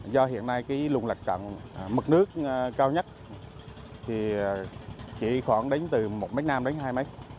do hiện nay cái lùng lạch cận mực nước cao nhất thì chỉ khoảng đến từ một mét nam đến hai mét